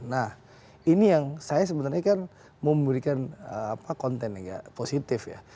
nah ini yang saya sebenarnya kan memberikan konten yang positif ya